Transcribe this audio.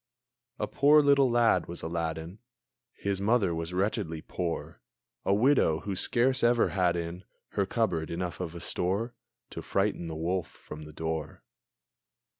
A poor little lad was Aladdin! His mother was wretchedly poor; A widow, who scarce ever had in Her cupboard enough of a store To frighten the wolf from the door.